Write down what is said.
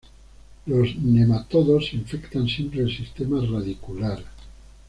Los nematodos infectan siempre el sistema radicular.